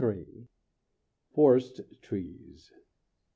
FOREST TREES.